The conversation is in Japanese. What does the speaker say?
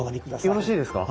よろしいですか？